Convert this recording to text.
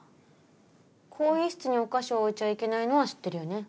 更衣室にお菓子を置いちゃいけないのは知ってるよね？